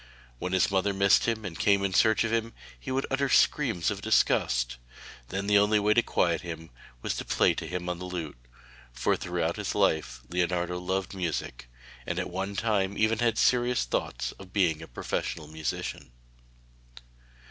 When his mother missed him and came in search of him, he would utter screams of disgust. Then the only way to quiet him was to play to him on the lute; for throughout his life Leonardo loved music, and at one time even had serious thoughts of being a professional musician.